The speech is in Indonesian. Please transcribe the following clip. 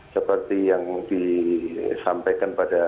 seperti yang disampaikan pada